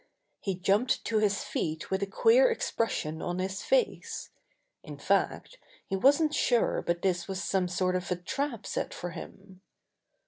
He jumped to his feet with a queer expression on his face. In fact, he wasn't sure but this was some sort of a trap set for him.